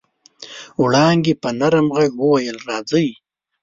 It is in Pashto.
وړانګې په نرم غږ وويل راځئ.